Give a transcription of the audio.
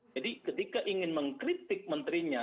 jadi ketika ingin mengkritik menterinya